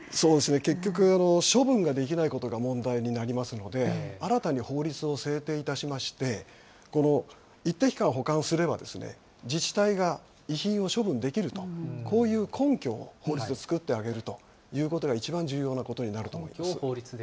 結局、処分ができないことが問題になりますので、新たに法律を制定いたしまして、この一定期間保管すれば、自治体が遺品を処分できると、こういう根拠をもう一度作ってあげると、一番重要なことだと思います。